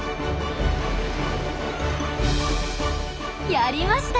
やりました！